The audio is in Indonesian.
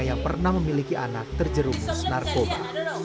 yang pernah memiliki anak terjerumus narkoba